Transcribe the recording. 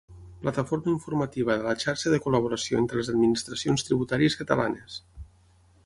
Plataforma informativa de la xarxa de col·laboració entre les administracions tributàries catalanes.